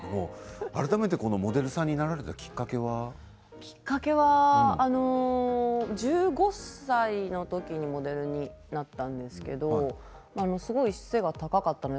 改めてモデルさんになられたきっかけは１５歳の時にモデルになったんですけれどすごい背が高かったんです。